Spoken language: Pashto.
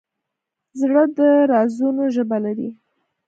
زړه د رازونو ژبه لري.